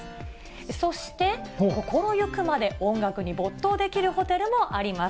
そして心行くまで音楽に没頭できるホテルもあります。